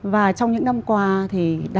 và trong những năm qua thì đã